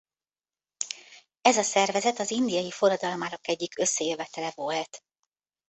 Ez a szervezet az Indiai Forradalmárok egyik összejövetele volt.